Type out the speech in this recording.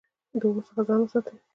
د اور څخه ځان وساتئ